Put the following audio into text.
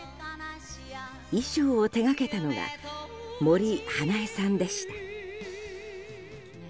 衣装を手掛けたのが森英恵さんでした。